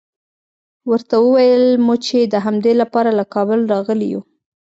ورته ویل مو چې د همدې لپاره له کابله راغلي یوو.